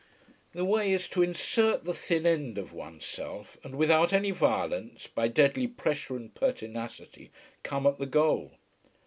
The way is to insert the thin end of oneself, and without any violence, by deadly pressure and pertinacity come at the goal.